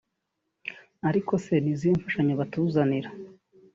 ariko se ni izihe mfashanyo batuzanira